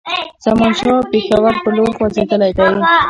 زمانشاه پېښور پر لور خوځېدلی دی.